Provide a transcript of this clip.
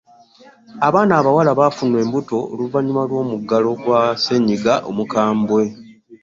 Abaana abawala bafunye embuto oluvanyuma lw'omuggalo gwa ssenyiga omukambwe.